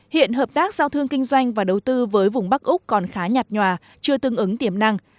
hiện hợp tác giao thương kinh doanh và đầu tư với vùng bắc úc còn khá nhạt nhòa chưa tương ứng tiềm năng